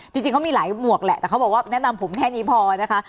จริงเขามีหลายหมวกแหละแต่เขาบอกว่าแนะนำผมแค่นี้พอนะคะ